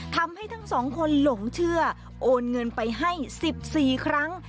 ทั้งสองคนหลงเชื่อโอนเงินไปให้๑๔ครั้ง